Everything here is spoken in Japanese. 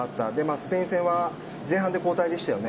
スペイン戦は前半で交代でしたね。